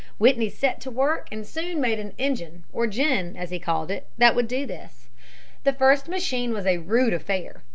Whitney set to work and soon made an engine or gin, as he called it, that would do this. The first machine was a rude affair.